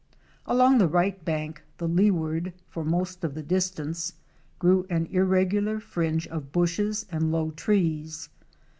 Along the right bank —the leeward — for most of the dis tance, grew an irregular fringe of bushes and low trees.